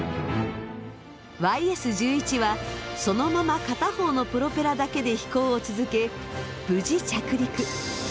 ＹＳー１１はそのまま片方のプロペラだけで飛行を続け無事着陸！